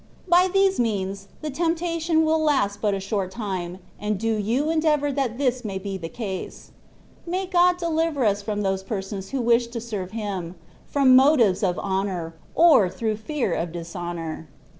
By these means, the temptation will last but a short time, and do you endeavour that this may be the case. May God deliver us from those persons who wish to serve Him, from motives of honour, or through fear of dishonour.